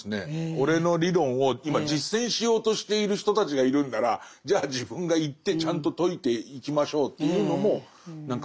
俺の理論を今実践しようとしている人たちがいるんならじゃあ自分が行ってちゃんと説いていきましょうというのも何か。